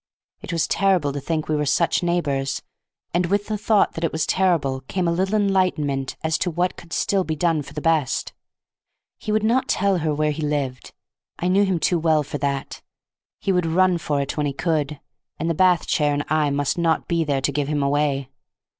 It was terrible to think we were such neighbors, and with the thought that it was terrible came a little enlightenment as to what could still be done for the best. He would not tell her where he lived. I knew him too well for that. He would run for it when he could, and the bath chair and I must not be there to give him away.